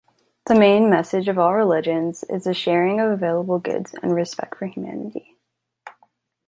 The main message of all religions is the sharing of available goods and respect for humanity.